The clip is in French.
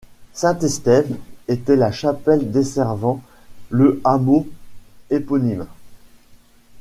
Saint-Estève était la chapelle desservant le hameau éponyme.